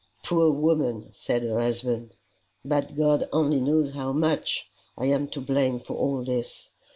"Poor woman!" said her husband. " But God only knows how much I am to blame for all this.